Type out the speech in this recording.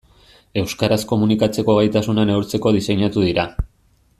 Euskaraz komunikatzeko gaitasuna neurtzeko diseinatu dira.